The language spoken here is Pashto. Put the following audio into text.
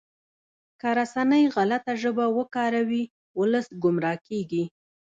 که رسنۍ غلطه ژبه وکاروي ولس ګمراه کیږي.